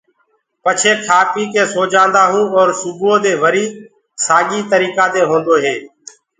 پڇي کآ پيٚڪي سو جآنٚدآ هونٚ اور سُبوئو دي وري سآڳي ترآ دي هوندو هي۔